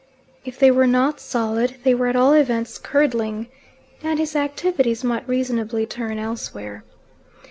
If they were not solid, they were at all events curdling, and his activities might reasonably turn elsewhere.